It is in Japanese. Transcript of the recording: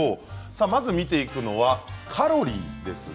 まず見ていくのはカロリーです。